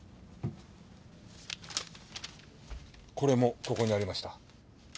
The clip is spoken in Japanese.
これもここにありました。